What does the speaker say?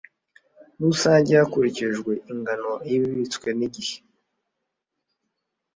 rusange hakurikijwe ingano y ibibitswe n igihe